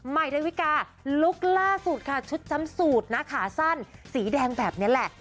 ดาวิกาลุคล่าสุดค่ะชุดจำสูตรนะขาสั้นสีแดงแบบนี้แหละ